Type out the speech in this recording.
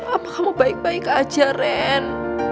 apa kamu baik baik aja ren